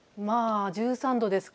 １３度ですか。